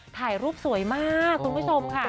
ถ่ายรูปสวยมากคุณผู้ชมค่ะ